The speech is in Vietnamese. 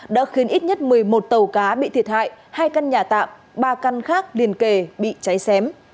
đã khiến ít nhất một mươi một tàu cá bị thiệt hại hai căn nhà tạm ba căn khác liền kề bị cháy xém